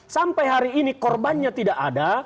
sampai hari ini korbannya tidak ada